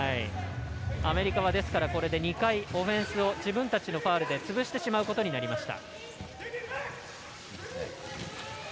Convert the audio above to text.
アメリカは、ですからこれで２回、オフェンスを自分たちのファウルで潰してしまうことになりました。